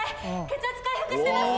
血圧回復してます